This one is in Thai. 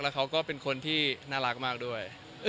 เขาก็เป็นคนที่น่ารักมากด้วย